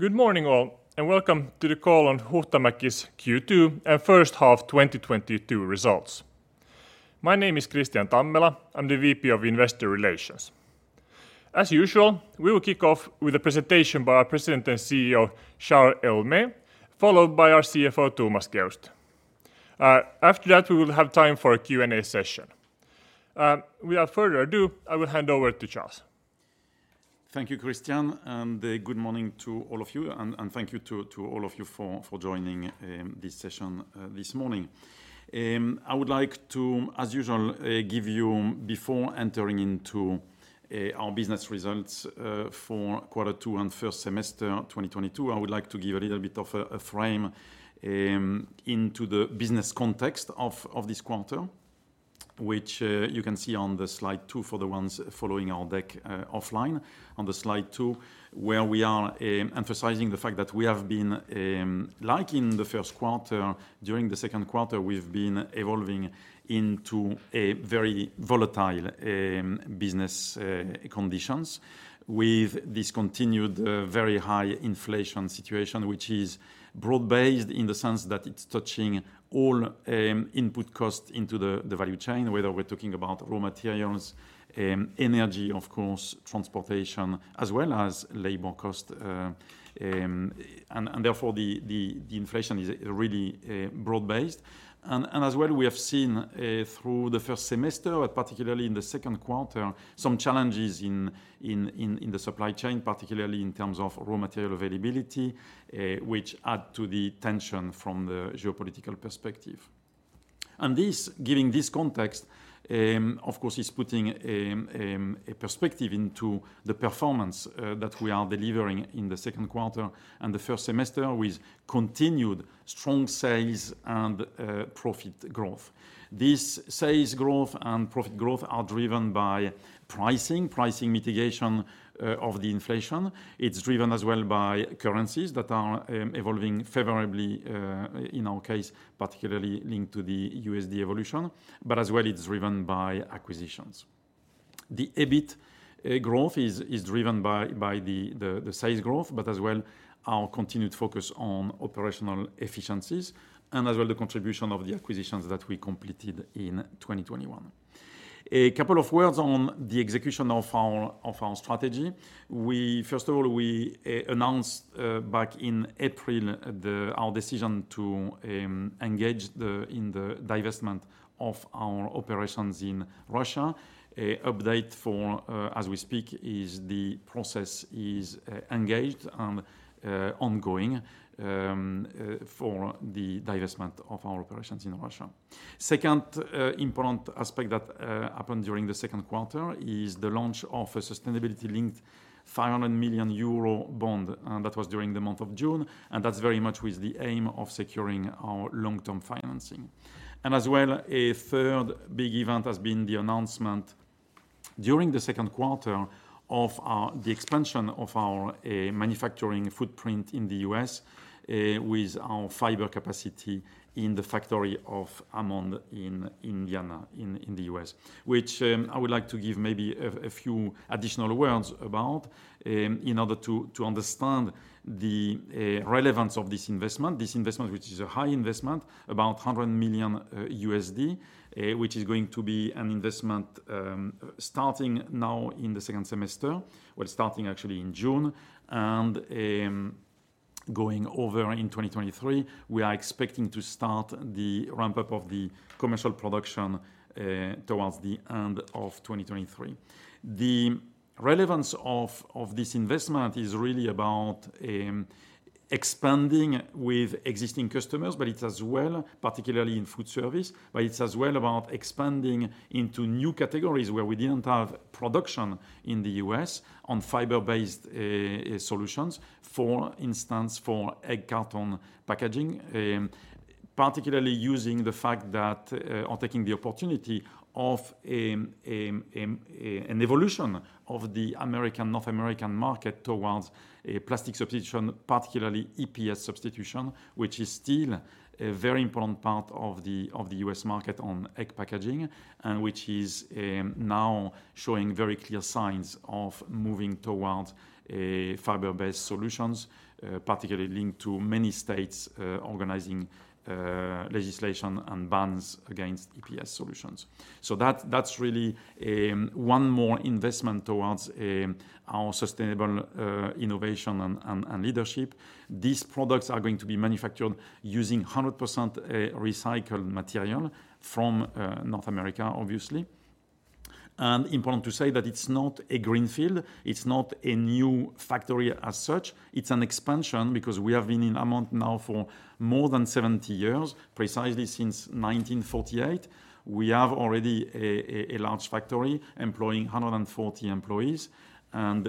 Good morning all, and welcome to the call on Huhtamäki's Q2 and first half 2022 results. My name is Kristian Tammela. I'm the VP of Investor Relations. As usual, we will kick off with a presentation by our President and CEO, Charles Héaulmé, followed by our CFO, Thomas Geust. After that, we will have time for a Q&A session. Without further ado, I will hand over to Charles. Thank you, Kristian, and good morning to all of you, and thank you to all of you for joining this session this morning. I would like to give a little bit of a frame into the business context of this quarter, which you can see on the slide two for the ones following our deck offline. On slide 2, where we are emphasizing the fact that we have been, like in Q1, during Q2, we've been evolving into a very volatile business conditions with this continued very high inflation situation, which is broad-based in the sense that it's touching all input costs into the value chain, whether we're talking about raw materials, energy, of course, transportation, as well as labor cost. Therefore the inflation is really broad-based. As well, we have seen through the first semester, but particularly in Q2, some challenges in the supply chain, particularly in terms of raw material availability, which add to the tension from the geopolitical perspective. Given this context, of course, is putting a perspective into the performance that we are delivering in Q2 and the first semester with continued strong sales and profit growth. This sales growth and profit growth are driven by pricing mitigation of the inflation. It's driven as well by currencies that are evolving favorably, in our case, particularly linked to the USD evolution, but as well, it's driven by acquisitions. The EBIT growth is driven by the sales growth, but as well our continued focus on operational efficiencies and as well the contribution of the acquisitions that we completed in 2021. A couple of words on the execution of our strategy. We first of all announced back in April our decision to engage in the divestment of our operations in Russia. An update as we speak is the process is engaged and ongoing for the divestment of our operations in Russia. Second, important aspect that happened during Q2 is the launch of a sustainability-linked 500 million euro bond. That was during the month of June, and that's very much with the aim of securing our long-term financing. As well, a third big event has been the announcement during Q2 of the expansion of our manufacturing footprint in the U.S. with our fiber capacity in the factory of Hammond in Indiana in the U.S. Which, I would like to give maybe a few additional words about, in order to understand the relevance of this investment. This investment, which is a high investment, about $100 million, which is going to be an investment, starting now in the second semester. Well, starting actually in June and going over in 2023. We are expecting to start the ramp-up of the commercial production, towards the end of 2023. The relevance of this investment is really about expanding with existing customers, but it's as well, particularly in food service, but it's as well about expanding into new categories where we didn't have production in the U.S. on fiber-based solutions. For instance, for egg carton packaging, particularly using the fact that, or taking the opportunity of an evolution of the North American market towards a plastic substitution, particularly EPS substitution, which is still a very important part of the U.S. market on egg packaging and which is now showing very clear signs of moving towards fiber-based solutions, particularly linked to many states organizing legislation and bans against EPS solutions. That’s really one more investment towards our sustainable innovation and leadership. These products are going to be manufactured using 100% recycled material from North America, obviously. Important to say that it’s not a greenfield, it’s not a new factory as such. It's an expansion because we have been in Hammond now for more than 70 years, precisely since 1948. We have already a large factory employing 140 employees, and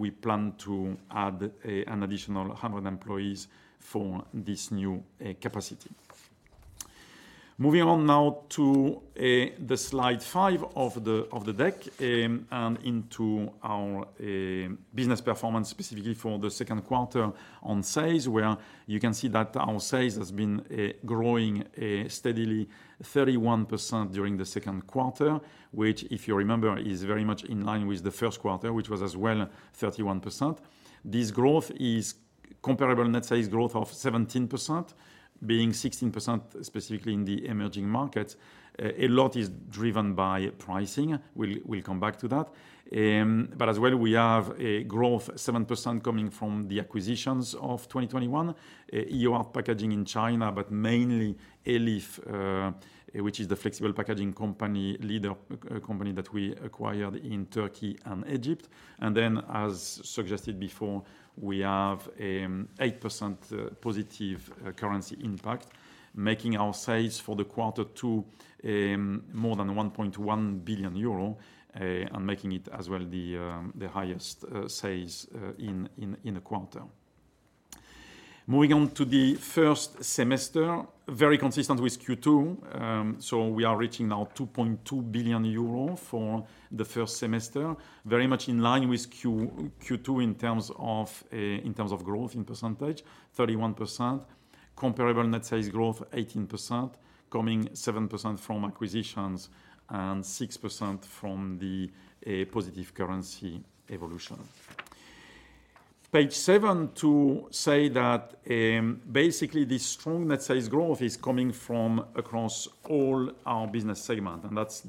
we plan to add an additional 100 employees for this new capacity. Moving on now to the Slide 5 of the deck, and into our business performance specifically for the second quarter on sales, where you can see that our sales has been growing steadily 31% during Q2, which, if you remember, is very much in line with Q1, which was as well 31%. This growth is comparable net sales growth of 17%, being 16% specifically in the emerging markets. A lot is driven by pricing. We'll come back to that. As well we have a growth 7% coming from the acquisitions of 2021. Our packaging in China, but mainly Elif, which is the flexible packaging company, leading company that we acquired in Turkey and Egypt. As suggested before, we have 8% positive currency impact, making our sales for the quarter to more than 1.1 billion euro, and making it as well the highest sales in the quarter. Moving on to the first semester, very consistent with Q2. We are reaching now 2.2 billion euro for the first semester. Very much in line with Q2 in terms of growth in percentage, 31%. Comparable net sales growth 18%, coming 7% from acquisitions and 6% from the positive currency evolution. Page seven to say that basically the strong net sales growth is coming from across all our business segment, and that's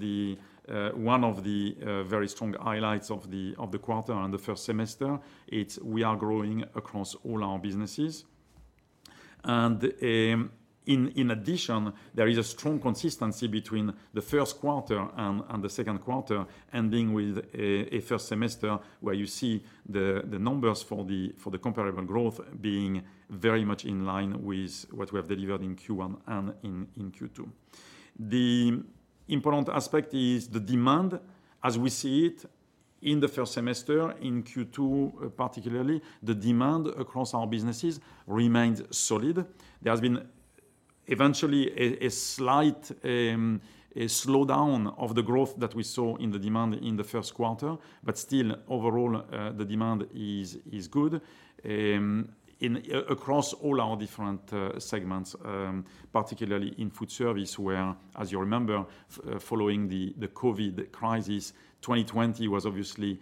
one of the very strong highlights of the quarter and the first semester. We are growing across all our businesses. In addition, there is a strong consistency between Q1 and Q2, ending with a first semester where you see the numbers for the comparable growth being very much in line with what we have delivered in Q1 and in Q2. The important aspect is the demand as we see it in the first semester, in Q2, particularly, the demand across our businesses remains solid. There has been eventually a slight slowdown of the growth that we saw in the demand in Q1. Still overall, the demand is good across all our different segments, particularly in foodservice, where, as you remember, following the COVID crisis, 2020 was obviously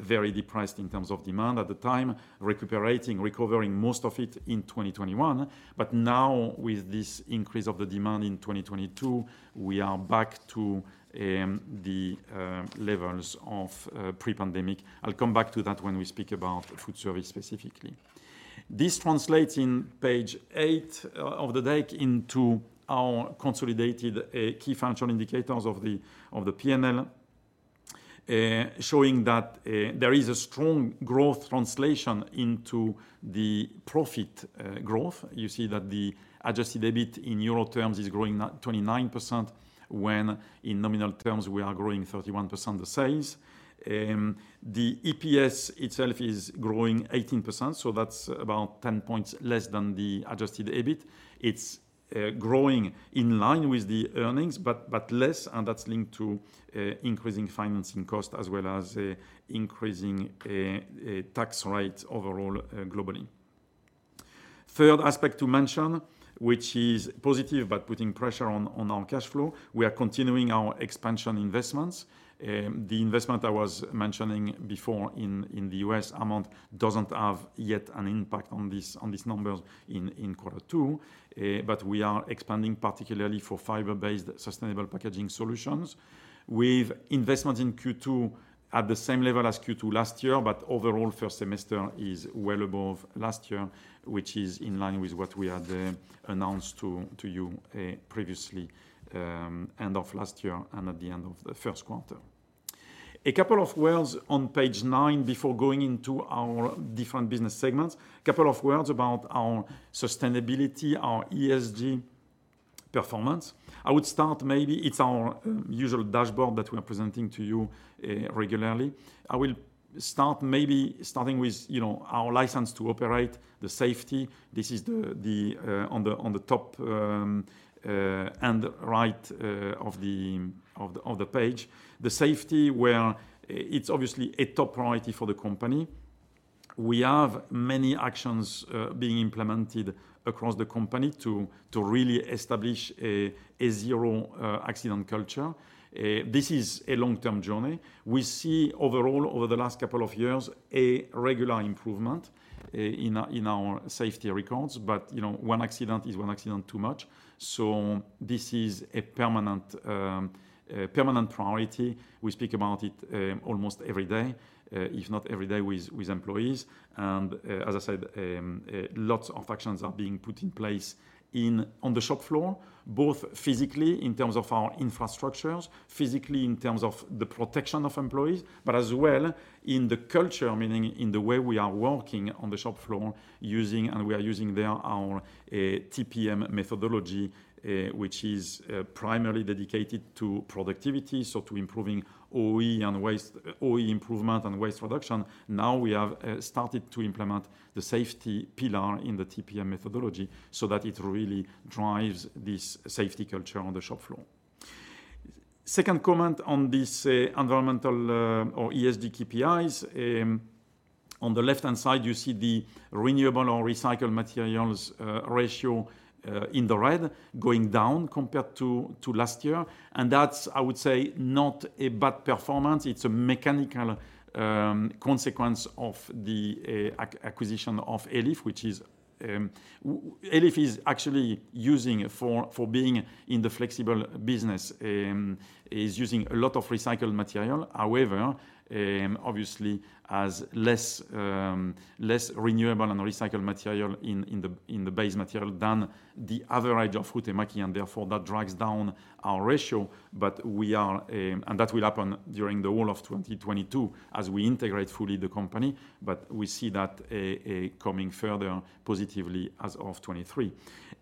very depressed in terms of demand at the time, recovering most of it in 2021. Now with this increase of the demand in 2022, we are back to the levels of pre-pandemic. I'll come back to that when we speak about foodservice specifically. This translates in page 8 of the deck into our consolidated key financial indicators of the P&L, showing that there is a strong growth translation into the profit growth. You see that the adjusted EBIT in euro terms is growing 29%, when in nominal terms we are growing 31% in sales. The EPS itself is growing 18%, so that's about 10 points less than the adjusted EBIT. It's growing in line with the earnings, but less, and that's linked to increasing financing costs as well as increasing tax rates overall, globally. Third aspect to mention, which is positive, but putting pressure on our cash flow, we are continuing our expansion investments. The investment I was mentioning before in the U.S. amount doesn't have yet an impact on these numbers in Q2. We are expanding particularly for fiber-based sustainable packaging solutions with investments in Q2 at the same level as Q2 last year. Overall, first semester is well above last year, which is in line with what we had announced to you previously, end of last year and at the end of Q1. A couple of words on page 9 before going into our different business segments. A couple of words about our sustainability, our ESG performance. I would start maybe it's our usual dashboard that we are presenting to you regularly. I will start with our license to operate, the safety. This is the on the top and right of the page. The safety where it's obviously a top priority for the company. We have many actions being implemented across the company to really establish a zero accident culture. This is a long-term journey. We see overall over the last couple of years a regular improvement in our safety records. One accident is one accident too much. This is a permanent priority. We speak about it almost every day, if not every day with employees. As I said, lots of actions are being put in place on the shop floor, both physically in terms of our infrastructures, physically in terms of the protection of employees, but as well in the culture, meaning in the way we are working on the shop floor using our TPM methodology, which is primarily dedicated to productivity, so to improving OE improvement and waste reduction. Now we have started to implement the safety pillar in the TPM methodology so that it really drives this safety culture on the shop floor. Second comment on these environmental, or ESG KPIs. On the left-hand side you see the renewable or recycled materials, ratio, in the red going down compared to, last year. That's not a bad performance. It's a mechanical, consequence of the, acquisition of Elif, Elif is actually being in the flexible business, is using a lot of recycled material. However, obviously has less, renewable and recycled material in the base material than the average of Huhtamäki, and therefore that drags down our ratio. That will happen during the whole of 2022 as we integrate fully the company, but we see that coming further positively as of 2023.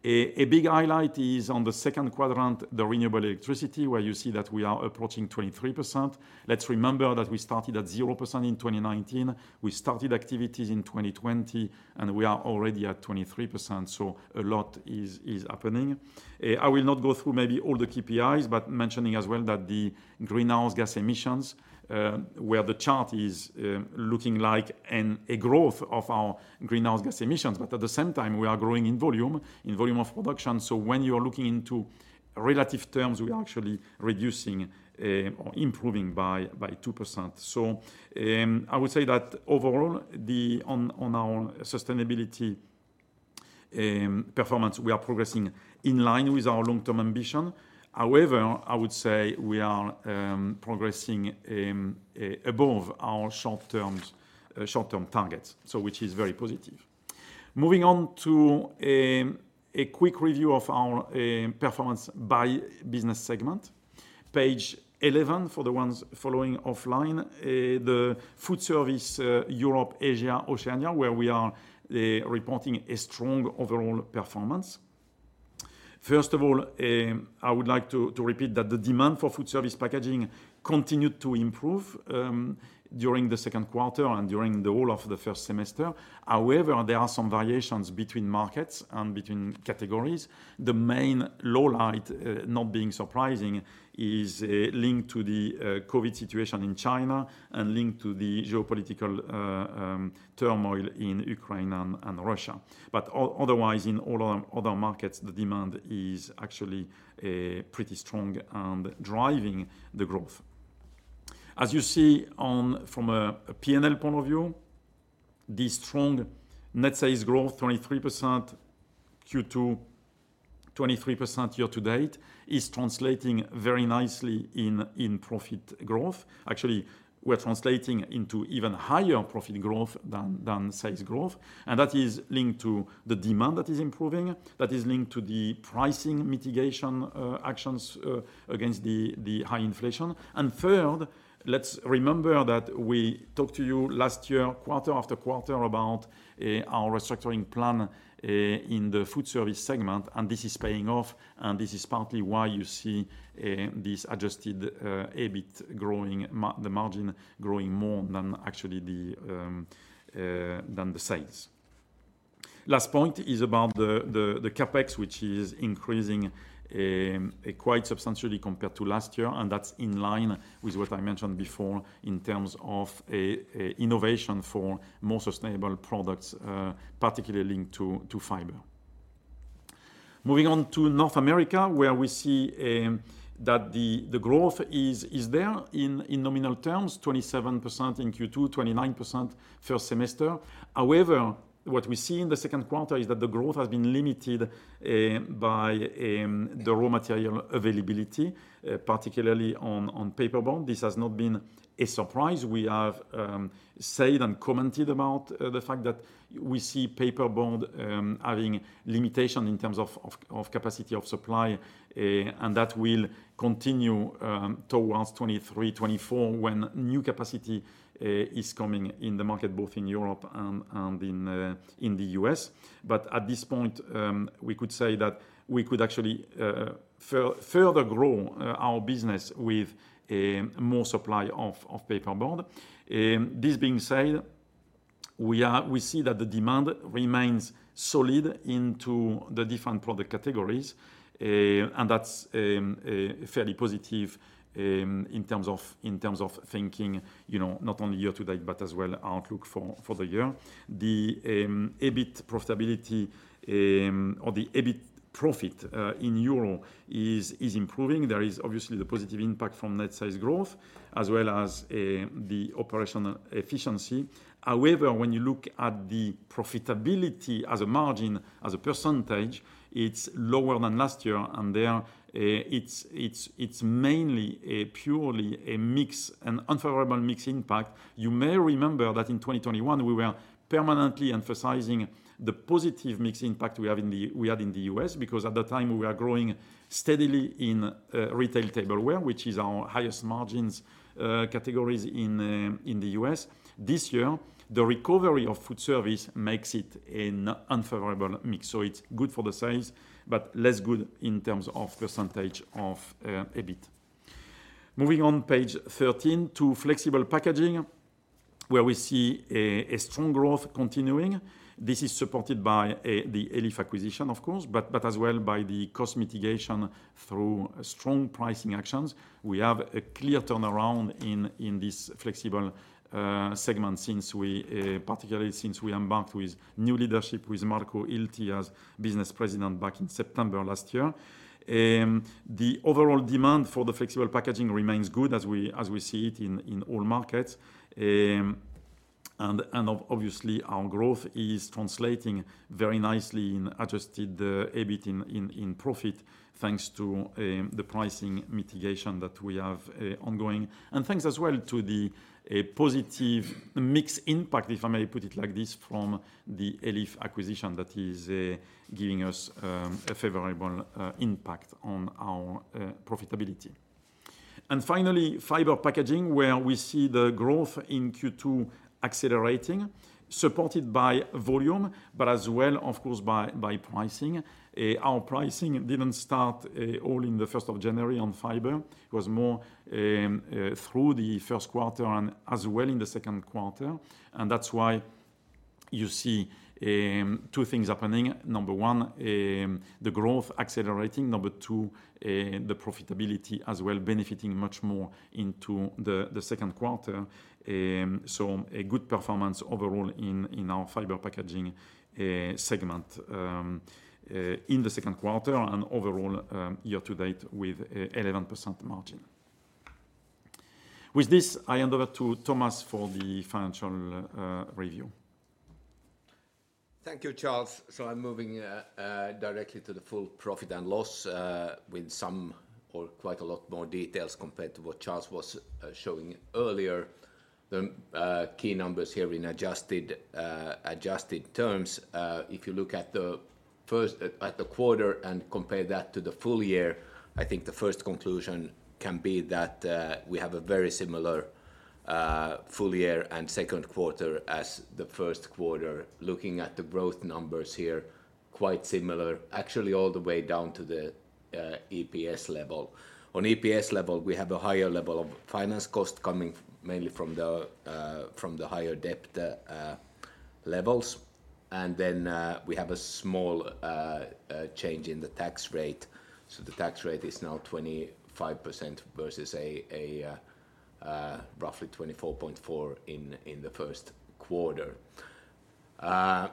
A big highlight is on the second quadrant, the renewable electricity, where you see that we are approaching 23%. Let's remember that we started at 0% in 2019. We started activities in 2020, and we are already at 23%, so a lot is happening. I will not go through maybe all the KPIs, but mentioning as well that the greenhouse gas emissions, where the chart is looking like a growth of our greenhouse gas emissions. At the same time we are growing in volume, in volume of production, so when you're looking into relative terms, we are actually reducing or improving by 2%. I would say that overall on our sustainability performance, we are progressing in line with our long-term ambition. However, I would say we are progressing above our short-term targets, which is very positive. Moving on to a quick review of our performance by business segment. Page 11 for the ones following offline. The Foodservice Europe, Asia, Oceania, where we are reporting a strong overall performance. First of all, I would like to repeat that the demand for foodservice packaging continued to improve during the second quarter and during the whole of the first semester. However, there are some variations between markets and between categories. The main low light, not being surprising, is linked to the COVID situation in China and linked to the geopolitical turmoil in Ukraine and Russia. Otherwise in all other markets, the demand is actually pretty strong and driving the growth. As you see from a P&L point of view, the strong net sales growth Q2, 23% year to date, is translating very nicely in profit growth. Actually, we're translating into even higher profit growth than sales growth, and that is linked to the demand that is improving. That is linked to the pricing mitigation actions against the high inflation. Third, let's remember that we talked to you last year, quarter after quarter, about our restructuring plan in the Foodservice segment, and this is paying off, and this is partly why you see this adjusted EBIT margin growing more than actually the sales. Last point is about the CapEx, which is increasing quite substantially compared to last year, and that's in line with what I mentioned before in terms of an innovation for more sustainable products, particularly linked to fiber. Moving on to North America, where we see that the growth is there in nominal terms, 27% in Q2, 29% first semester. However, what we see in the second quarter is that the growth has been limited by the raw material availability, particularly on paperboard. This has not been a surprise. We have said and commented about the fact that we see paperboard having limitation in terms of of capacity of supply, and that will continue towards 2023, 2024 when new capacity is coming in the market, both in Europe and in the US. At this point, we could say that we could actually further grow our business with more supply of paperboard. This being said, we see that the demand remains solid into the different product categories, and that's fairly positive in terms of thinking not only year-to-date, but as well outlook for the year. The EBIT profitability, or the EBIT profit in euro is improving. There is obviously the positive impact from net sales growth as well as the operational efficiency. However, when you look at the profitability as a margin, as a percentage, it's lower than last year. There it's mainly purely a mix, an unfavorable mix impact. You may remember that in 2021 we were permanently emphasizing the positive mix impact we had in the US because at the time we were growing steadily in retail tableware, which is our highest margins categories in the US. This year, the recovery of Foodservice makes it an unfavorable mix. It's good for the sales, but less good in terms of percentage of EBIT. Moving on page 13 to Flexible Packaging. Where we see a strong growth continuing, this is supported by the Elif acquisition of course, but as well by the cost mitigation through strong pricing actions. We have a clear turnaround in this Flexible Packaging segment particularly since we embarked with new leadership with Marco Hilty as business president back in September last year. The overall demand for the flexible packaging remains good as we see it in all markets. Obviously, our growth is translating very nicely in adjusted EBIT in profit, thanks to the pricing mitigation that we have ongoing. Thanks as well to a positive mix impact, if I may put it like this, from the Elif acquisition that is giving us a favorable impact on our profitability. Finally, fiber packaging where we see the growth in Q2 accelerating, supported by volume, but as well of course by pricing. Our pricing didn't start all in January 1st on fiber. It was more through the first quarter and as well in the second quarter. That's why you see two things happening. Number one, the growth accelerating. Number two, the profitability as well benefiting much more into the second quarter. A good performance overall in our Fiber Packaging segment in the second quarter and overall year to date with 11% margin. With this, I hand over to Thomas for the financial review. Thank you, Charles. I'm moving directly to the full profit and loss with some or quite a lot more details compared to what Charles was showing earlier. The key numbers here in adjusted terms, if you look at the quarter and compare that to the full year, I think the first conclusion can be that we have a very similar full year and Q2 as Q1. Looking at the growth numbers here, quite similar actually all the way down to the EPS level. On EPS level, we have a higher level of finance cost coming mainly from the higher debt levels. We have a small change in the tax rate. The tax rate is now 25% versus roughly 24.4 in Q1.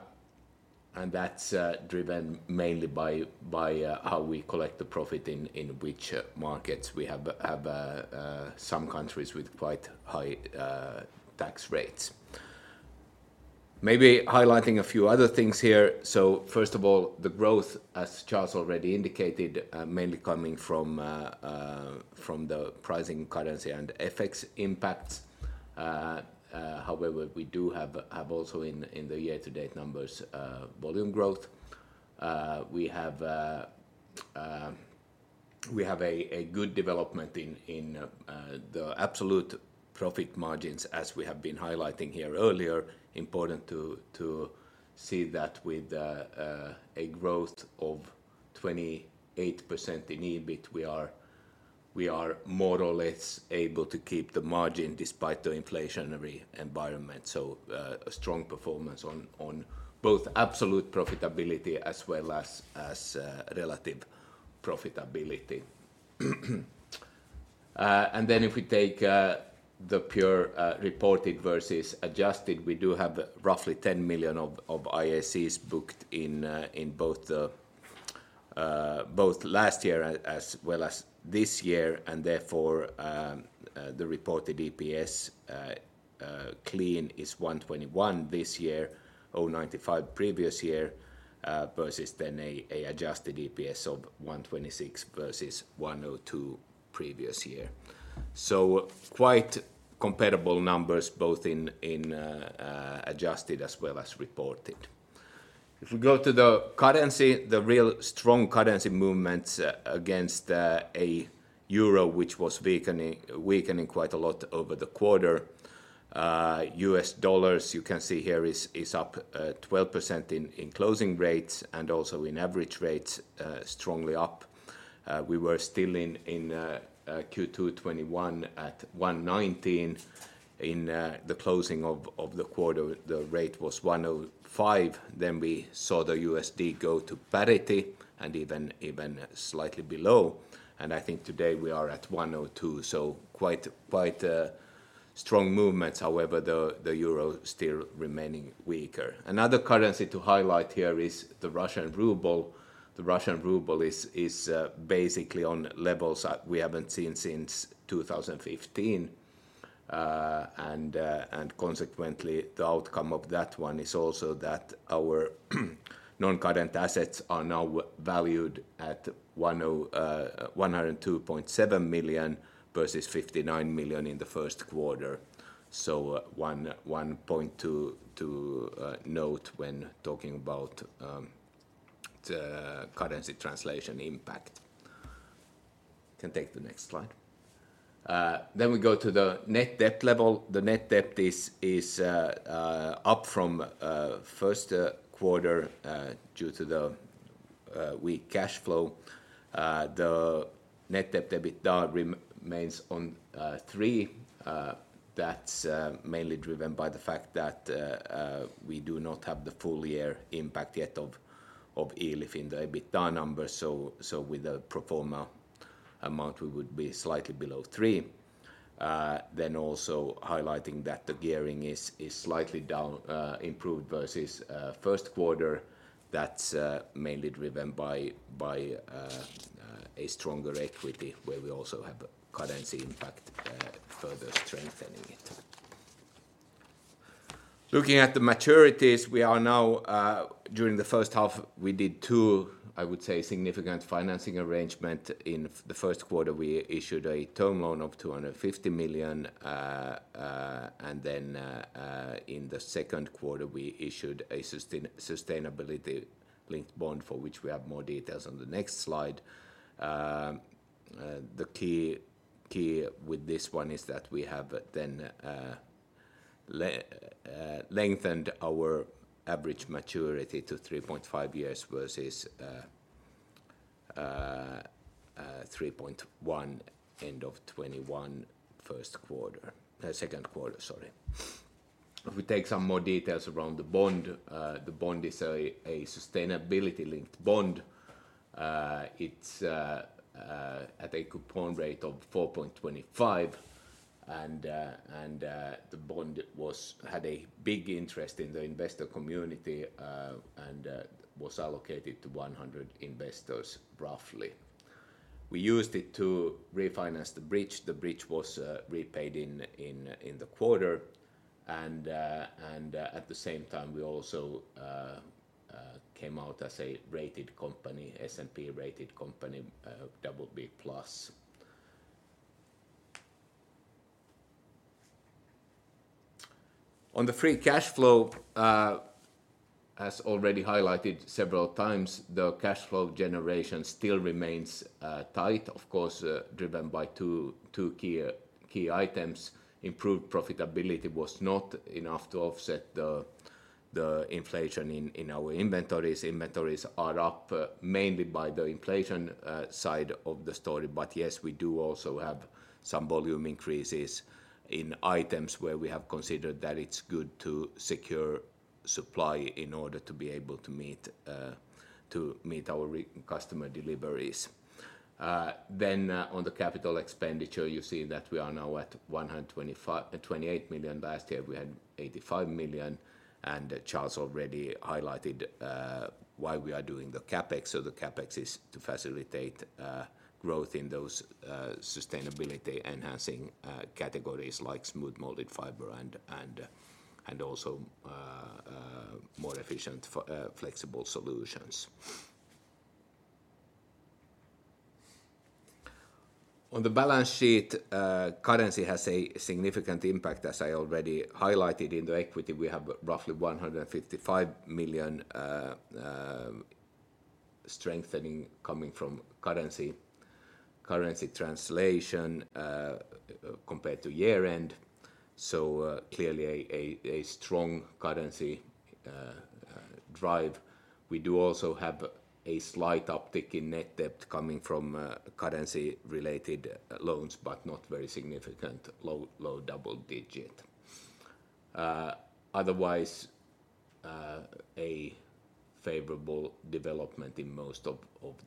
That's driven mainly by how we collect the profit in which markets we have some countries with quite high tax rates. Maybe highlighting a few other things here. First of all, the growth, as Charles already indicated, mainly coming from the pricing currency and FX impacts. However, we do have also in the year-to-date numbers volume growth. We have a good development in the absolute profit margins as we have been highlighting here earlier. Important to see that with a growth of 28% in EBIT, we are more or less able to keep the margin despite the inflationary environment. A strong performance on both absolute profitability as well as relative profitability. If we take the pure reported versus adjusted, we do have roughly 10 million of IACs booked in both last year as well as this year and therefore, the reported EPS clean is EUR 1.21 this year, 0.95 previous year, versus then a adjusted EPS of 1.26 versus 1.02 previous year. Quite comparable numbers both in adjusted as well as reported. If we go to the currency, the real strong currency movements against a euro which was weakening quite a lot over the quarter. US dollars you can see here is up 12% in closing rates and also in average rates, strongly up. We were still in Q2 2021 at 1.19. In the closing of the quarter, the rate was 1.05. Then we saw the USD go to parity and even slightly below. I think today we are at 1.02, so quite strong movements however the euro still remaining weaker. Another currency to highlight here is the Russian ruble. The Russian ruble is basically on levels we haven't seen since 2015. Consequently, the outcome of that one is also that our non-current assets are now valued at 102.7 million versus 59 million in the first quarter. One point to note when talking about the currency translation impact. Can take the next slide. We go to the net debt level. The net debt is up from first quarter due to the weak cash flow. The net debt to EBITDA remains at three. That's mainly driven by the fact that we do not have the full year impact yet of Elif in the EBITDA numbers. With the pro forma amount, we would be slightly below three. Also, highlighting that the gearing is slightly down, improved versus Q1. That's mainly driven by a stronger equity where we also have currency impact, further strengthening it. Looking at the maturities, during the first half we did two significant financing arrangement. In Q1, we issued a term loan of 250 million, and then in the second quarter, we issued a sustainability-linked bond for which we have more details on the next slide. The key with this one is that we have then lengthened our average maturity to 3.5 years versus 3.1 end of 2021 Q2. If we take some more details around the bond, the bond is a sustainability-linked bond. It's at a coupon rate of 4.25, and the bond had a big interest in the investor community and was allocated to 100 investors roughly. We used it to refinance the bridge. The bridge was repaid in the quarter, and at the same time, we also came out as a rated company, S&P rated company, BB+. On the free cash flow, as already highlighted several times, the cash flow generation still remains tight, of course, driven by two key items. Improved profitability was not enough to offset the inflation in our inventories. Inventories are up, mainly by the inflation side of the story. Yes, we do also have some volume increases in items where we have considered that it's good to secure supply in order to be able to meet our customer deliveries. On the capital expenditure, you see that we are now at 128 million. Last year, we had 85 million, and Charles already highlighted why we are doing the CapEx. The CapEx is to facilitate growth in those sustainability enhancing categories like smooth molded fiber and also more efficient flexible solutions. On the balance sheet, currency has a significant impact. As I already highlighted in the equity, we have roughly 155 million strengthening coming from currency translation compared to year-end, so clearly a strong currency drive. We do also have a slight uptick in net debt coming from currency related loans, but not very significant. Low double-digit. Otherwise, a favorable development in most of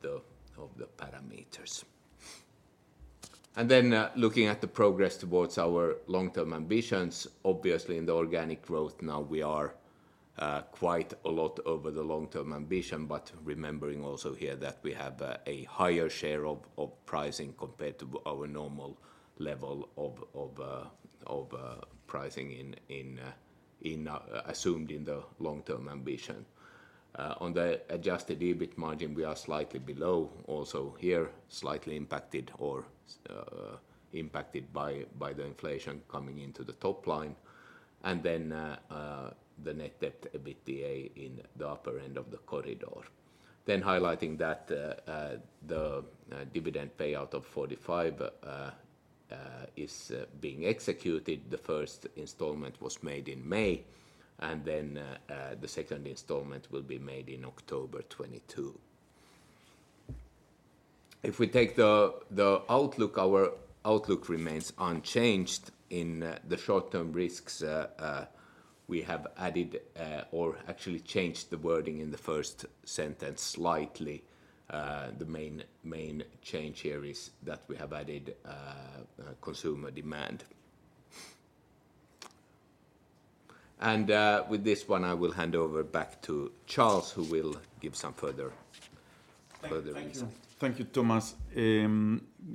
the parameters. Looking at the progress towards our long-term ambitions, obviously in the organic growth now we are quite a lot over the long-term ambition, but remembering also here that we have a higher share of pricing compared to our normal level of pricing assumed in the long-term ambition. On the adjusted EBIT margin, we are slightly below, also here, slightly impacted or impacted by the inflation coming into the top line, and then the net debt to EBITDA in the upper end of the corridor. Highlighting that the dividend payout of 45% is being executed. The first installment was made in May, and then the second installment will be made in October 2022. If we take the outlook, our outlook remains unchanged. In the short-term risks, we have added, or actually changed the wording in the first sentence slightly. The main change here is that we have added consumer demand. With this one, I will hand over back to Charles who will give some further insight. Thank you. Thomas.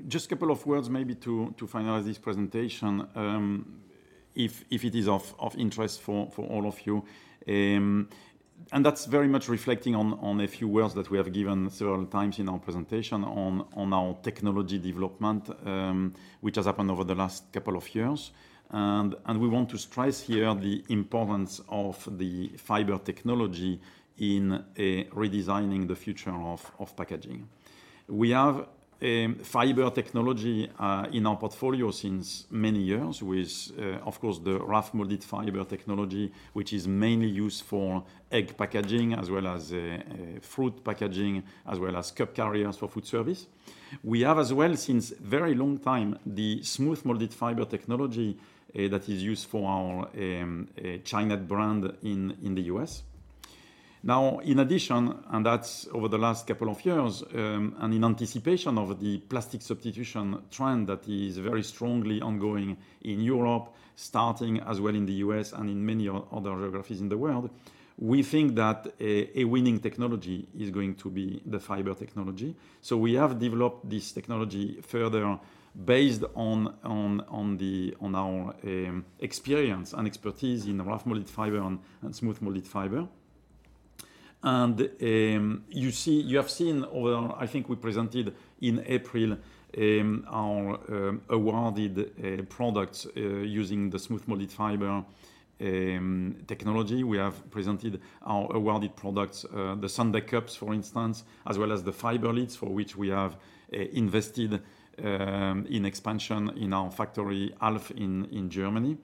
Just a couple of words maybe to finalize this presentation, if it is of interest for all of you. That's very much reflecting on a few words that we have given several times in our presentation on our technology development, which has happened over the last couple of years. We want to stress here the importance of the fiber technology in redesigning the future of packaging. We have fiber technology in our portfolio since many years with, of course, the rough molded fiber technology, which is mainly used for egg packaging as well as fruit packaging, as well as cup carriers for Foodservice. We have as well since very long time, the smooth molded fiber technology that is used for our Chinet brand in the US. Now, in addition, that's over the last couple of years, and in anticipation of the plastic substitution trend that is very strongly ongoing in Europe, starting as well in the US and in many other geographies in the world, we think that a winning technology is going to be the fiber technology. We have developed this technology further based on our experience and expertise in rough molded fiber and smooth molded fiber. You have seen or I think we presented in April, our awarded products using the smooth molded fiber technology. We have presented our awarded products, the sundae cups, for instance, as well as the fiber lids for which we have invested in expansion in our factory Elif in Germany.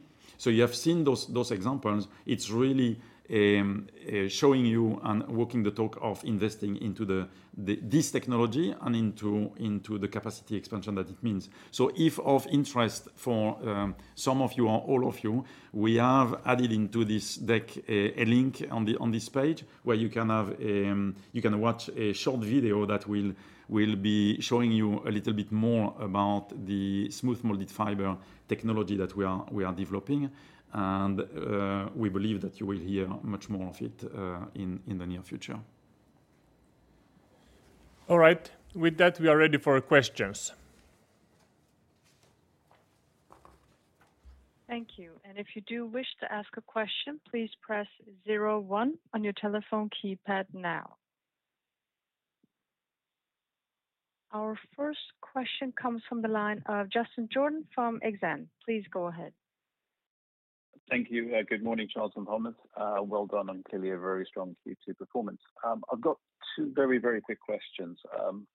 You have seen those examples. It's really showing you and walking the talk of investing into this technology and into the capacity expansion that it means. If of interest for some of you or all of you, we have added into this deck a link on this page where you can watch a short video that will be showing you a little bit more about the smooth molded fiber technology that we are developing, and we believe that you will hear much more of it in the near future. All right. With that, we are ready for questions. Thank you. If you do wish to ask a question, please press zero one on your telephone keypad now. Our first question comes from the line of Justin Jordan from Exane. Please go ahead. Thank you. Good morning, Charles and Thomas. Well done on clearly a very strong Q2 performance. I've got two very, very quick questions.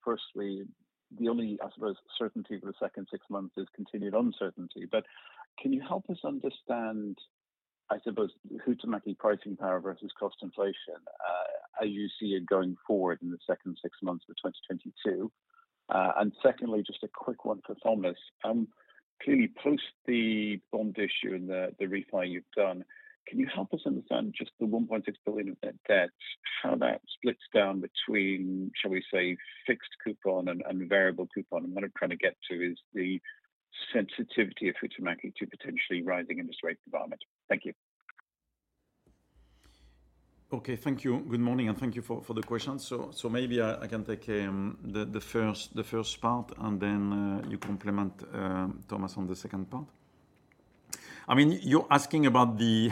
Firstly, the only, I suppose, certainty for the second six months is continued uncertainty. Can you help us understand, I suppose, Huhtamäki pricing power versus cost inflation, how you see it going forward in the second six months of 2022? Secondly, just a quick one for Thomas. Clearly post the bond issue and the refi you've done, can you help us understand just the 1.6 billion of net debt, how that splits down between, shall we say, fixed coupon and variable coupon? What I'm trying to get to is the sensitivity of Huhtamäki to potentially rising interest rate environment. Thank you. Okay. Thank you. Good morning, and thank you for the question. Maybe I can take the first part, and then you complement Thomas on the second part. You're asking about the...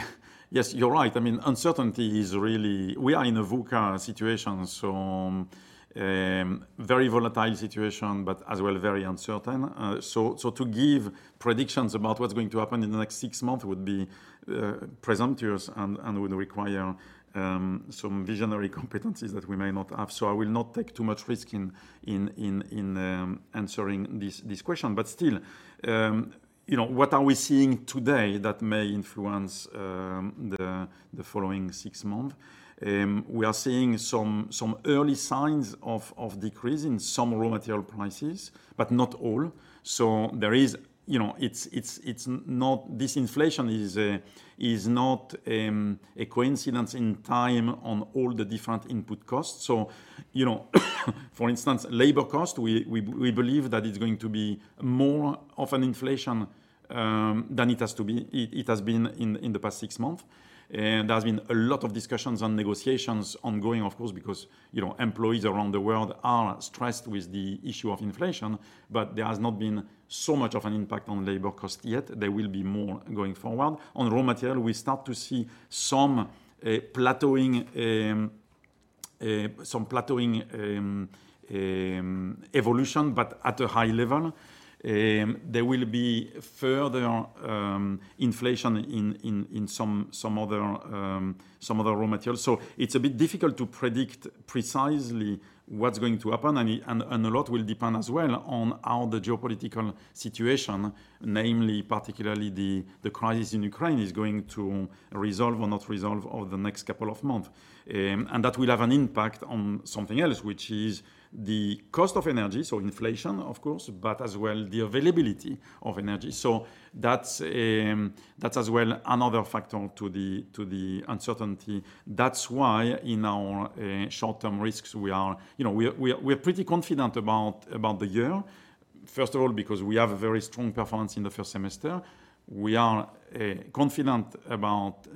Yes, you're right. I mean, uncertainty is really. We are in a VUCA situation, so very volatile situation, but as well very uncertain. To give predictions about what's going to happen in the next six months would be presumptuous and would require some visionary competencies that we may not have. I will not take too much risk in answering this question. Still, what are we seeing today that may influence the following six months? We are seeing some early signs of decrease in some raw material prices, but not all. This inflation is not a coincidence in time on all the different input costs. For instance, labor cost, we believe that it's going to be more of an inflation than it has been in the past six months. There has been a lot of discussions and negotiations ongoing, of course, because employees around the world are stressed with the issue of inflation, but there has not been so much of an impact on labor cost yet. There will be more going forward. On raw material, we start to see some plateauing evolution, but at a high level. There will be further inflation in some other raw materials. It's a bit difficult to predict precisely what's going to happen. A lot will depend as well on how the geopolitical situation, namely particularly the crisis in Ukraine, is going to resolve or not resolve over the next couple of months. That will have an impact on something else, which is the cost of energy, so inflation of course, but as well the availability of energy. That's as well another factor to the uncertainty. That's why in our short-term risks, we are pretty confident about the year, first of all, because we have a very strong performance in the first semester. We are confident about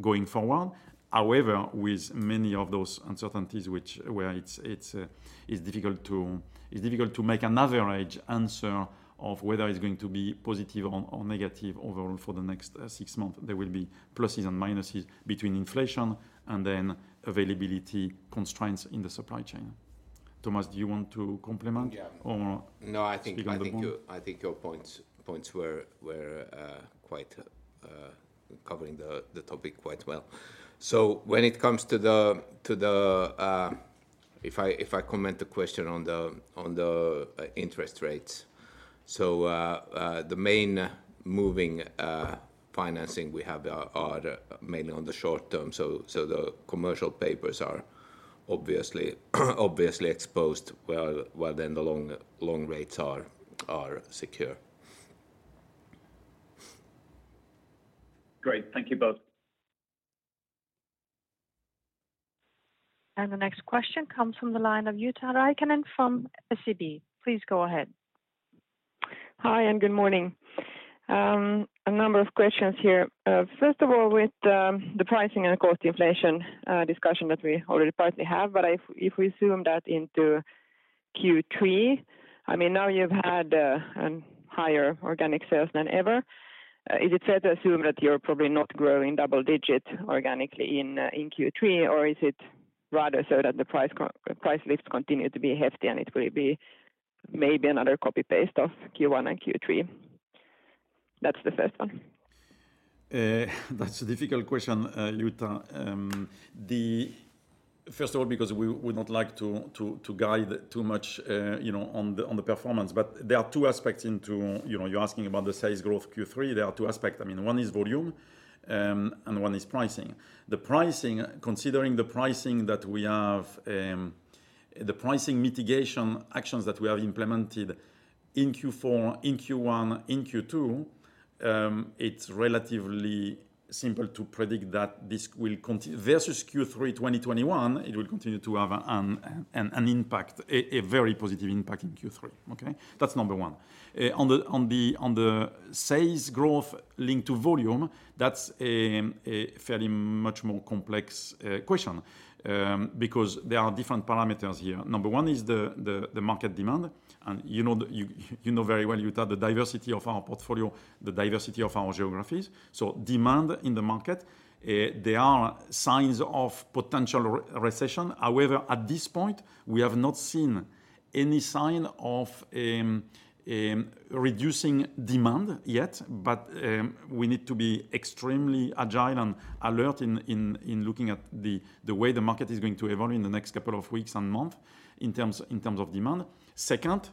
going forward. However, with many of those uncertainties which it's difficult to make an average answer of whether it's going to be positive or negative overall for the next six months. There will be pluses and minuses between inflation and then availability constraints in the supply chain. Thomas, do you want to comment? I think your points were quite covering the topic quite well. When it comes to the... If I comment on the question on the interest rates, the main form of financing we have are mainly on the short-term. The commercial papers are obviously exposed while the long rates are secured. Great. Thank you both. The next question comes from the line of Jutta Riekkinen from SEB. Please go ahead. Hi, good morning. A number of questions here. First of all, with the pricing and of course the inflation discussion that we already partly have, if we zoom that into Q3, now you've had higher organic sales than ever. Is it fair to assume that you're probably not growing double digit organically in Q3 or is it rather so that the price lifts continue to be hefty and it will be maybe another copy-paste of Q1 and Q3? That's the first one. That's a difficult question, Jutta. First of all, because we would not like to guide too much on the performance. There are two aspects to... You're asking about the sales growth Q3. There are two aspects. One is volume, and one is pricing. The pricing, considering the pricing that we have, the pricing mitigation actions that we have implemented in Q4, in Q1, in Q2, it's relatively simple to predict that this will versus Q3 2021, it will continue to have an impact, a very positive impact in Q3. That's number one. On the sales growth linked to volume, that's a far more complex question, because there are different parameters here. Number one is the market demand. You know very well, Jutta, the diversity of our portfolio, the diversity of our geographies. Demand in the market, there are signs of potential recession. However, at this point, we have not seen any sign of reducing demand yet. We need to be extremely agile and alert in looking at the way the market is going to evolve in the next couple of weeks and month in terms of demand. Second,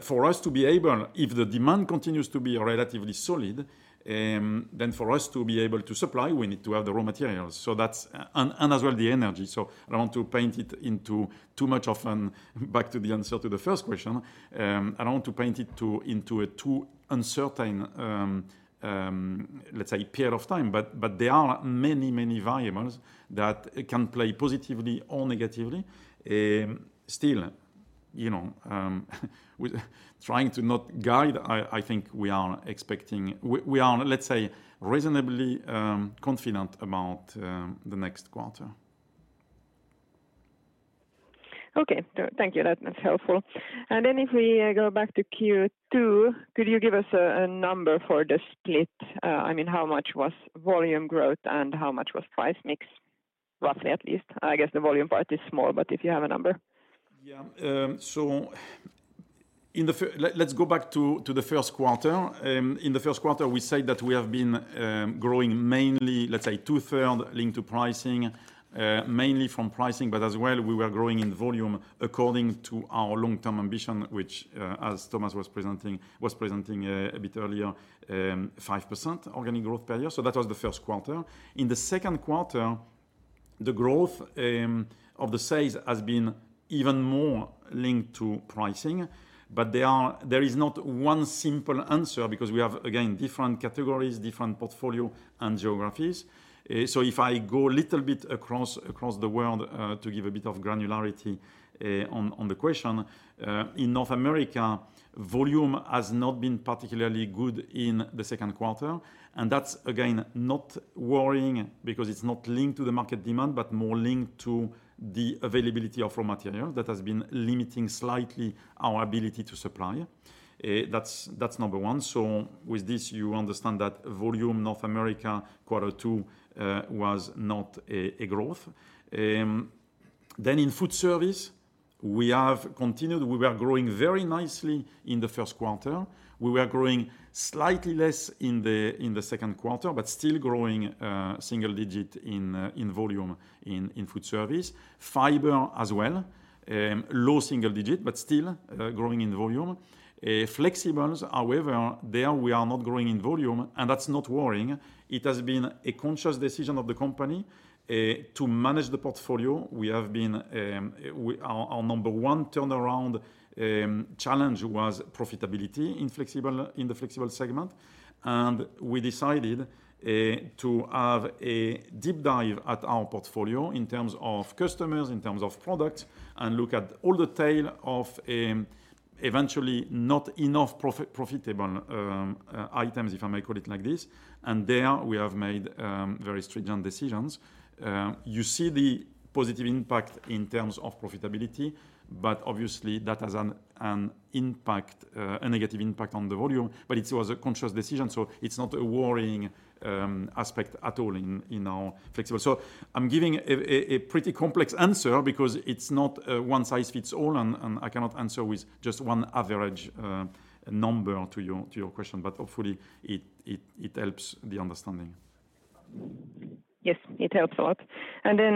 for us to be able, if the demand continues to be relatively solid, then for us to be able to supply, we need to have the raw materials. That's and as well the energy. I don't want to paint it into a too uncertain, let's say, period of time, but there are many variables that can play positively or negatively. Still, with trying to not guide, I think we are reasonably confident about the next quarter. Okay. Thank you. That was helpful. If we go back to Q2, could you give us a number for the split? How much was volume growth and how much was price mix? Roughly, at least. I guess the volume part is small, but if you have a number. Yeah. Let's go back to Q1. In Q1, we said that we have been growing mainly, let's say, two-thirds linked to pricing, mainly from pricing, but as well, we were growing in volume according to our long-term ambition, which, as Thomas was presenting a bit earlier, 5% organic growth per year. That was Q1. In Q2, the growth of the sales has been even more linked to pricing. There is not one simple answer because we have, again, different categories, different portfolio and geographies. If I go a little bit across the world to give a bit of granularity on the question, in North America, volume has not been particularly good in Q2. That's, again, not worrying because it's not linked to the market demand, but more linked to the availability of raw material that has been limiting slightly our ability to supply. That's number one. With this, you understand that volume North America Q2 was not a growth. In Foodservice, we have continued. We were growing very nicely in Q1. We were growing slightly less in Q2, but still growing single-digit in volume in Foodservice. Fiber as well, low single-digit, but still growing in volume. Flexibles, however, there we are not growing in volume, and that's not worrying. It has been a conscious decision of the company to manage the portfolio. Our number one turnaround challenge was profitability in the flexible segment. We decided to have a deep dive at our portfolio in terms of customers, in terms of products, and look at all the tail of eventually not enough profitable items, if I may call it like this. There we have made very stringent decisions. You see the positive impact in terms of profitability, but obviously that has a negative impact on the volume. It was a conscious decision, so it's not a worrying aspect at all in our flexible. I'm giving a pretty complex answer because it's not a one-size-fits-all, and I cannot answer with just one average number to your question. But hopefully it helps the understanding. Yes, it helps a lot. Then,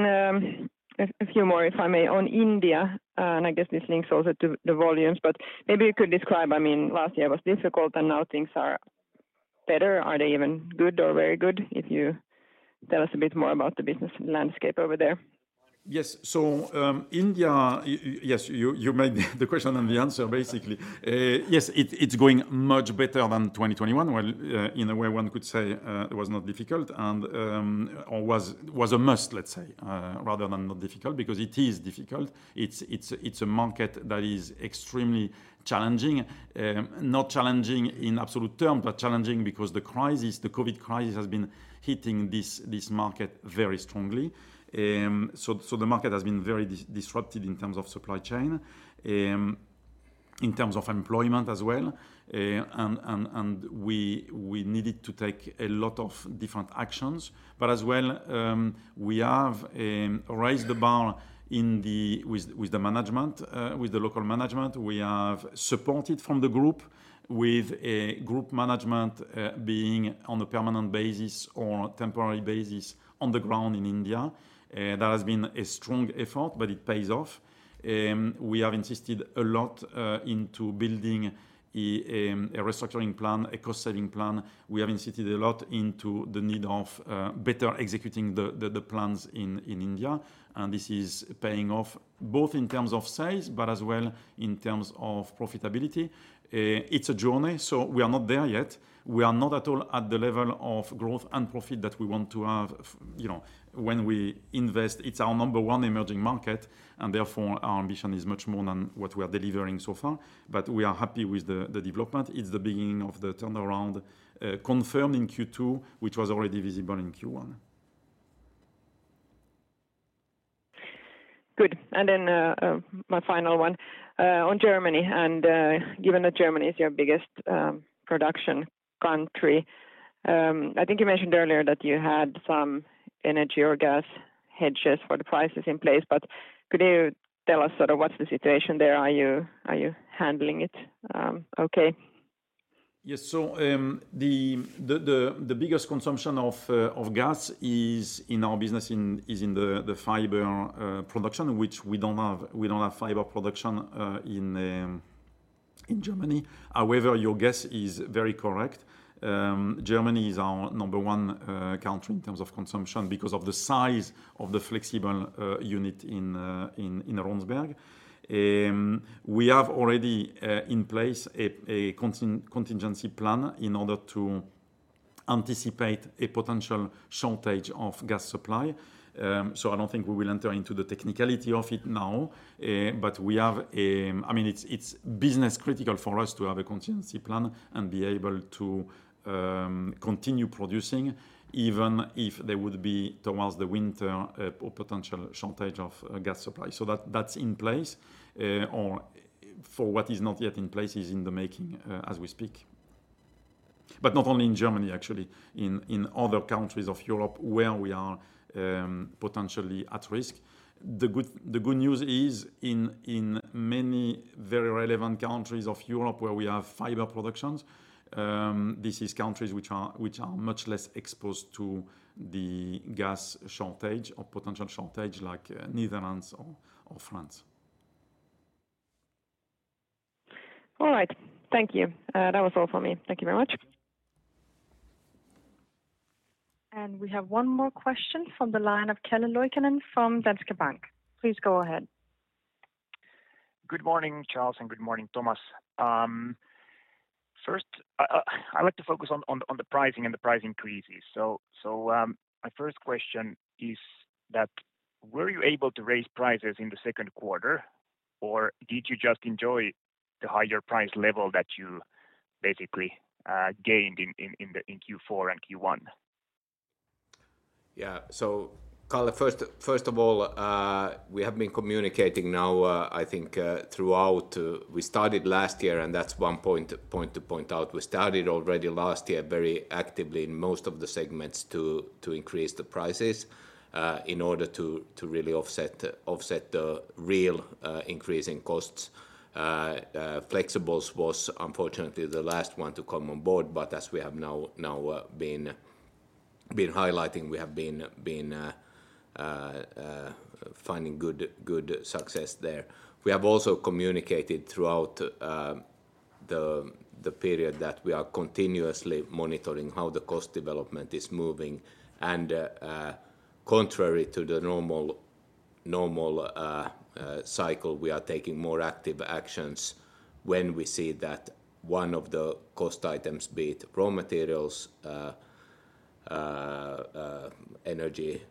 a few more, if I may, on India, and I guess this links also to the volumes, but maybe you could describe. I mean, last year was difficult, and now things are better. Are they even good or very good? If you tell us a bit more about the business landscape over there. India, yes, you made the question and the answer basically. Yes, it's going much better than 2021. In a way one could say, it was not difficult or was a must, let's say, rather than not difficult because it is difficult. It's a market that is extremely challenging. Not challenging in absolute term, but challenging because the crisis, the COVID crisis has been hitting this market very strongly. The market has been very disrupted in terms of supply chain, in terms of employment as well and we needed to take a lot of different actions, but as well, we have raised the bar with the local management. We have support from the group with a group management, being on a permanent basis or temporary basis on the ground in India. That has been a strong effort, but it pays off. We have insisted a lot on building a restructuring plan, a cost-saving plan. We have insisted a lot on the need of better executing the plans in India, and this is paying off both in terms of sales but as well in terms of profitability. It's a journey, so we are not there yet. We are not at all at the level of growth and profit that we want to have when we invest. It's our number one emerging market, and therefore our ambition is much more than what we are delivering so far. We are happy with the development. It's the beginning of the turnaround, confirmed in Q2, which was already visible in Q1. Good. My final one on Germany and given that Germany is your biggest production country. I think you mentioned earlier that you had some energy or gas hedges for the prices in place, but could you tell us what's the situation there? Are you handling it okay? Yes, the biggest consumption of gas is in our business in the fiber production, which we don't have fiber production in Germany. Your guess is very correct. Germany is our number one country in terms of consumption because of the size of the flexible unit in Ronsberg. We have already in place a contingency plan in order to anticipate a potential shortage of gas supply. I don't think we will enter into the technicality of it now. It's business critical for us to have a contingency plan and be able to continue producing even if there would be towards the winter a potential shortage of gas supply. That's in place, or for what is not yet in place is in the making, as we speak. Not only in Germany, actually, in other countries of Europe where we are potentially at risk. The good news is in many very relevant countries of Europe where we have fiber productions, these are countries which are much less exposed to the gas shortage or potential shortage like Netherlands or France. All right. Thank you. That was all for me. Thank you very much. We have one more question from the line of Calle Loikkanen from Danske Bank. Please go ahead. Good morning, Charles, and good morning, Thomas. First, I'd like to focus on the pricing and the price increases. My first question is that were you able to raise prices in Q2, or did you just enjoy the higher price level that you basically gained in Q4 and Q1? Calle, first of all, we have been communicating now, I think, throughout. We started last year, and that's one point to point out. We started already last year very actively in most of the segments to increase the prices in order to really offset the real increase in costs. Flexibles was unfortunately the last one to come on board, but as we have now been finding good success there. We have also communicated throughout the period that we are continuously monitoring how the cost development is moving. Contrary to the normal cycle, we are taking more active actions when we see that one of the cost items, be it raw materials, energy,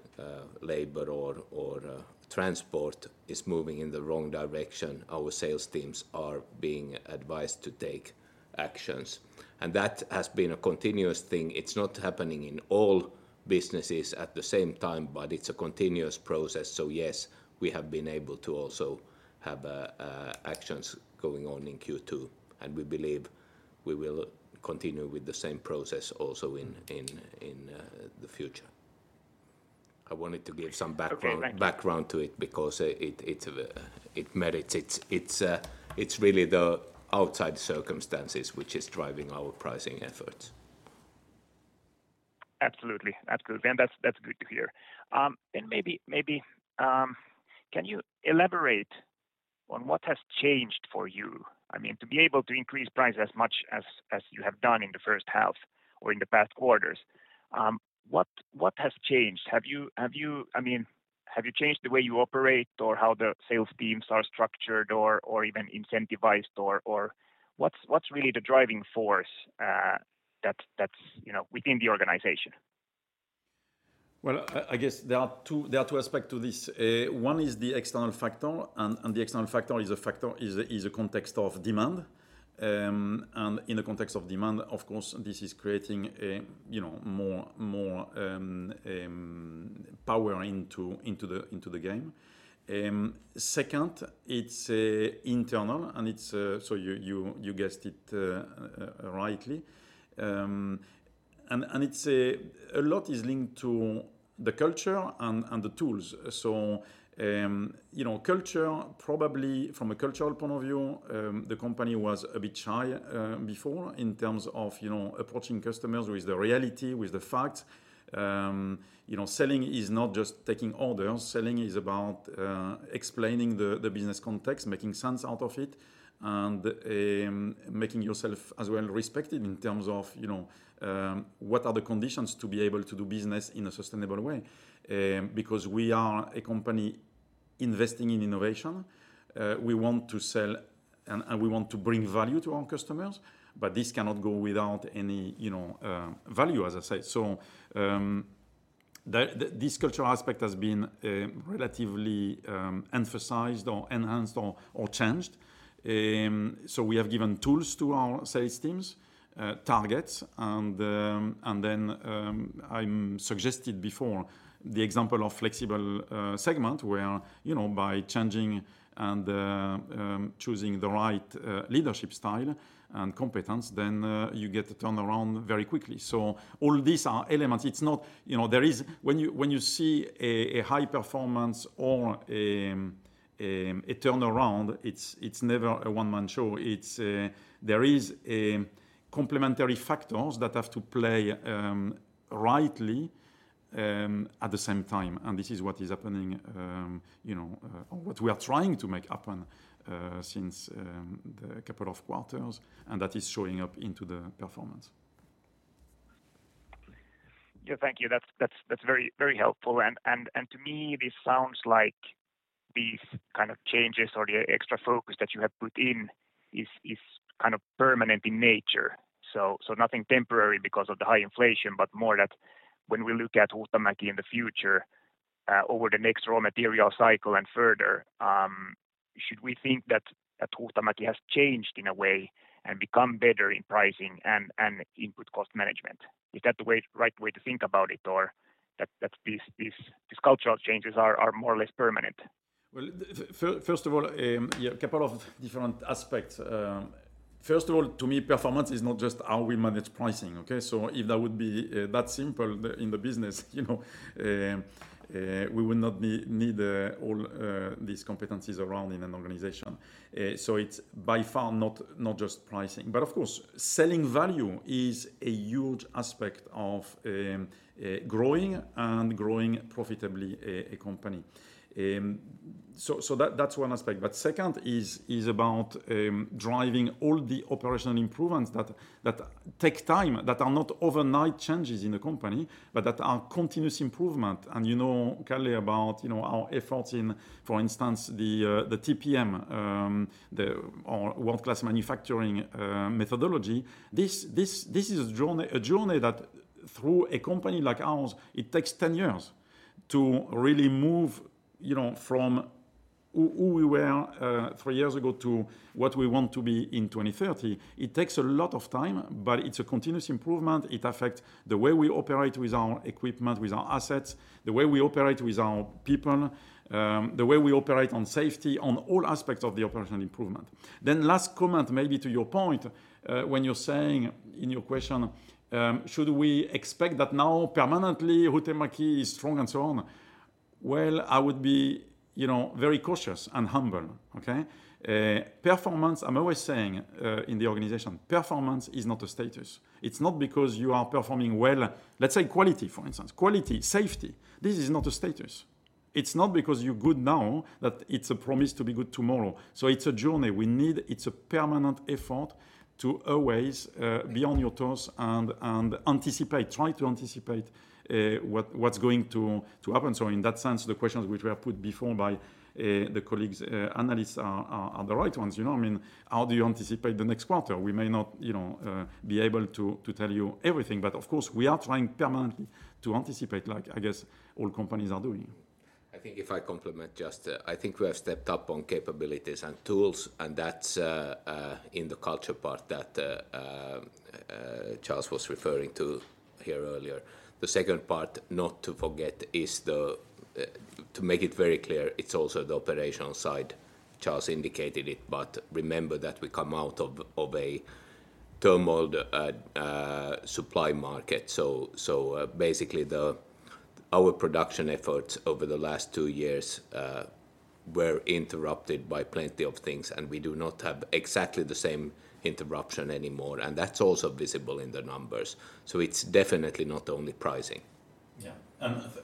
labor or transport, is moving in the wrong direction. Our sales teams are being advised to take actions, and that has been a continuous thing. It's not happening in all businesses at the same time, but it's a continuous process. Yes, we have been able to also have actions going on in Q2, and we believe we will continue with the same process also in the future. I wanted to give some background to it because it merits. It's really the outside circumstances which is driving our pricing efforts. Absolutely. That's good to hear. Maybe can you elaborate on what has changed for you? To be able to increase price as much as you have done in the first half or in the past quarters, what has changed? Have you changed the way you operate or how the sales teams are structured or even incentivized or what's really the driving force that's within the organization? Well, I guess there are two aspects to this. One is the external factor. The external factor is a context of demand. In the context of demand, of course, this is creating more power into the game. Second, it's internal, and you guessed it rightly. A lot is linked to the culture and the tools. Probably from a cultural point of view, the company was a bit shy before in terms of approaching customers with the reality, with the fact selling is not just taking orders. Selling is about explaining the business context, making sense out of it, and making yourself as well respected in terms of what are the conditions to be able to do business in a sustainable way. Because we are a company investing in innovation, we want to sell and we want to bring value to our customers, but this cannot go without any value, as I said. This cultural aspect has been relatively emphasized or enhanced or changed. We have given tools to our sales teams, targets, and then, as I suggested before, the example of Flexible Packaging segment where by changing and choosing the right leadership style and competence, then you get a turnaround very quickly. All these are elements. When you see a high performance or a turnaround, it's never a one-man show. There is complementary factors that have to play rightly at the same time, and this is what is happening or what we are trying to make happen since the couple of quarters, and that is showing up into the performance. Thank you. That's very helpful. To me, this sounds like these changes or the extra focus that you have put in is permanent in nature. Nothing temporary because of the high inflation, but more that when we look at Huhtamäki in the future, over the next raw material cycle and further, should we think that Huhtamäki has changed in a way and become better in pricing and input cost management? Is that the right way to think about it or that these cultural changes are more or less permanent? Well, first of all, a couple of different aspects. First of all, to me, performance is not just how we manage pricing. If that would be that simple in the business, we would not need all these competencies around in an organization. It's by far not just pricing. Of course, selling value is a huge aspect of growing profitably a company. That's one aspect. Second is about driving all the operational improvements that take time, that are not overnight changes in the company, but that are continuous improvement. You know, Calle, about our efforts in, for instance, the TPM or world-class manufacturing methodology. This is a journey that through a company like ours, it takes 10 years to really move from who we were three years ago to what we want to be in 2030. It takes a lot of time, but it's a continuous improvement. It affect the way we operate with our equipment, with our assets, the way we operate with our people, the way we operate on safety, on all aspects of the operational improvement. Last comment maybe to your point, when you're saying in your question, should we expect that now permanently Huhtamäki is strong and so on? Well, I would be very cautious and humble. I'm always saying, in the organization, performance is not a status. It's not because you are performing well. Let's say quality, for instance, safety, this is not a status. It's not because you're good now that it's a promise to be good tomorrow. It's a journey. It's a permanent effort to always be on your toes and anticipate. Try to anticipate what's going to happen. In that sense, the questions which were put before by the colleagues analysts are the right ones. You know what I mean? How do you anticipate the next quarter? We may not be able to tell you everything, but of course, we are trying permanently to anticipate all companies are doing. I think we have stepped up on capabilities and tools, and that's in the culture part that Charles was referring to here earlier. The second part not to forget is to make it very clear, it's also the operational side. Charles indicated it, but remember that we come out of a turmoil in the supply market. Basically our production efforts over the last two years were interrupted by plenty of things, and we do not have exactly the same interruption anymore, and that's also visible in the numbers. It's definitely not only pricing.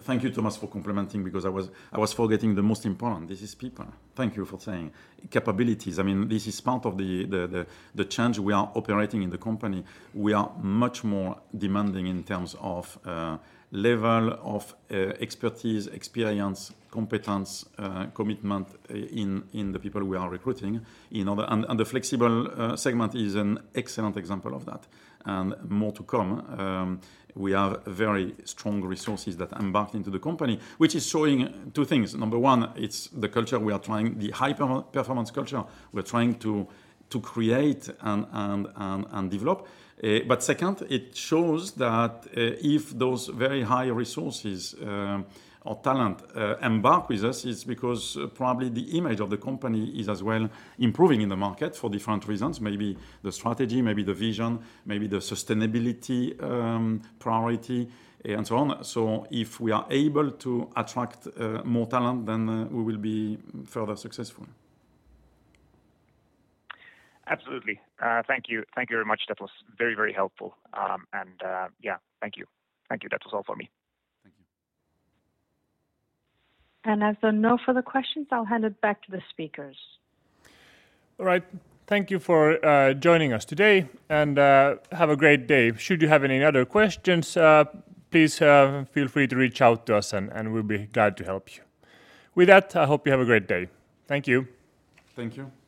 Thank you, Thomas, for complimenting because I was forgetting the most important. This is people. Thank you for saying capabilities. This is part of the change we are operating in the company. We are much more demanding in terms of level of expertise, experience, competence, and commitment in the people we are recruiting. The flexible segment is an excellent example of that, and more to come. We have very strong resources that embarked into the company, which is showing two things. Number one, it's the culture we are trying, the high performance culture we're trying to create and develop. Second, it shows that if those very high resources or talent embark with us, it's because probably the image of the company is as well improving in the market for different reasons. Maybe the strategy, maybe the vision, maybe the sustainability priority, and so on. If we are able to attract more talent, then we will be further successful. Absolutely. Thank you very much. That was very, very helpful. Thank you. That was all for me. As there are no further questions, I'll hand it back to the speakers. All right. Thank you for joining us today, and have a great day. Should you have any other questions, please feel free to reach out to us and we'll be glad to help you. With that, I hope you have a great day. Thank you. Thank you.